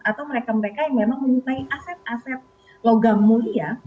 atau mereka mereka yang memang menyukai aset aset logam mulia